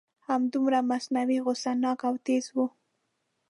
همدومره مصنوعي غصه ناک او تیز و.